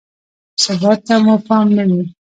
ثبات ته مو پام نه وي.